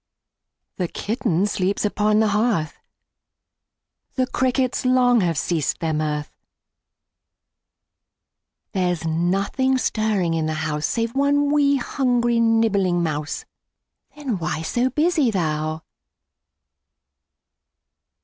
The kitten sleeps upon the hearth, The crickets long have ceased their mirth; There's nothing stirring in the house Save one 'wee', hungry, nibbling mouse, Then why so busy thou?